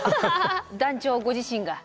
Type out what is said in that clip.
団長ご自身が？